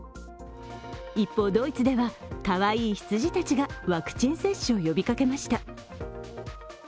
一方ドイツでは、かわいい羊たちがワクチン接種を呼びかけました。